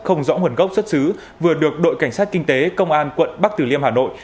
không rõ nguồn gốc xuất xứ vừa được đội cảnh sát kinh tế công an quận bắc tử liêm hà nội